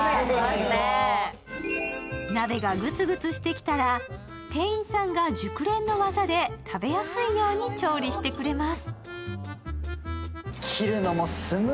鍋がグツグツしてきたら、店員さんが熟練の技で食べやすいように調理してくれます。